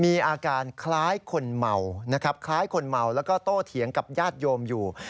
มีอาการคล้ายคนเมานะครับคล้ายคนเมาแล้วก็โตเถียงกับญาติโยมอยู่